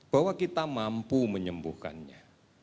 bahwa kita mampu menyembuhkannya